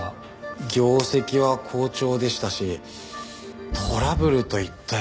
業績は好調でしたしトラブルといったようなものは。